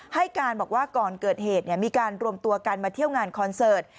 ให้การบอกว่าก่อนเกิดเหตุมีการรวมตัวกันมาเที่ยวงานคอนเสิร์ต